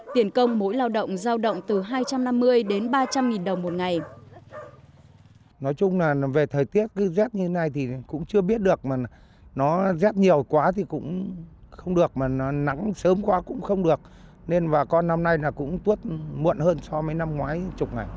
tiền công mỗi lao động giao động từ hai trăm năm mươi đến ba trăm linh nghìn đồng một ngày